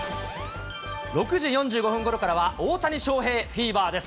６時４５分ごろからは、大谷翔平フィーバーです。